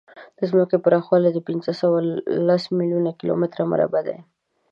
د ځمکې پراخوالی پینځهسوهلس میلیونه کیلومتره مربع دی.